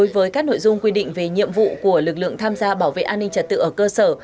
với các nội dung quy định về nhiệm vụ của lực lượng tham gia bảo vệ an ninh trật tự ở cơ sở